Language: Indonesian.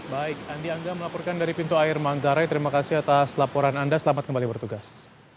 baik andi angga melaporkan dari pintu air manggarai terima kasih atas laporan anda selamat kembali bertugas